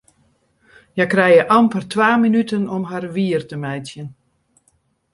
Hja krije amper twa minuten om har wier te meitsjen.